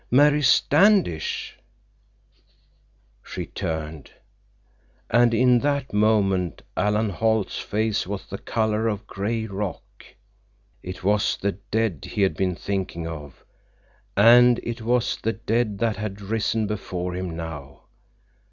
"Mary Standish!" She turned. And in that moment Alan Holt's face was the color of gray rock. It was the dead he had been thinking of, and it was the dead that had risen before him now.